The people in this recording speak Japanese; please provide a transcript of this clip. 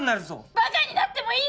バカになってもいいです！